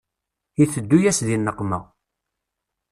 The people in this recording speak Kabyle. Iteddu-yas di nneqma.